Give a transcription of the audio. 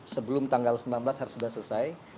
sebelum tanggal sembilan belas harus sudah selesai